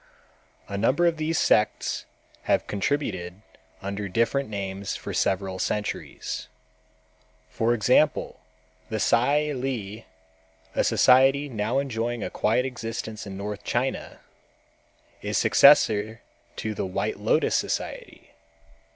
A number of these sects have continued under different names for several centuries. For example, the Tsai Li, a society now enjoying a quiet existence in North China, is successor to the White Lotus society.